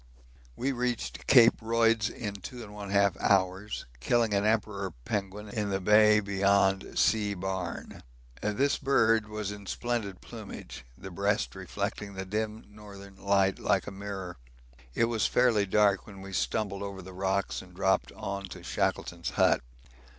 We reached Cape Royds in 2 1/2 hours, killing an Emperor penguin in the bay beyond C. Barne. This bird was in splendid plumage, the breast reflecting the dim northern light like a mirror. It was fairly dark when we stumbled over the rocks and dropped on to Shackleton's Hut.